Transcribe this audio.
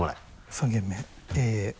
３軒目。